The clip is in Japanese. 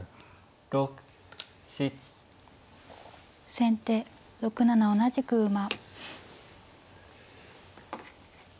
先手６七同じく馬。